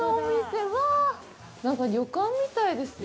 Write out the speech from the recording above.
なんか、旅館みたいですよ。